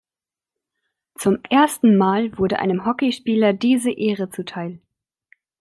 Zum ersten Mal wurde einem Hockeyspieler diese Ehre zuteil.